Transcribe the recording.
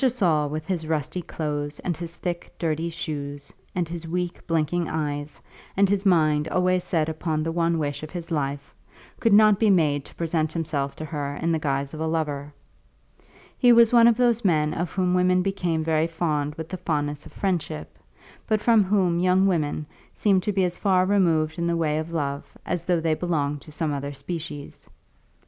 Saul, with his rusty clothes and his thick, dirty shoes, and his weak, blinking eyes, and his mind always set upon the one wish of his life, could not be made to present himself to her in the guise of a lover. He was one of those men of whom women become very fond with the fondness of friendship, but from whom young women seem to be as far removed in the way of love as though they belonged to some other species.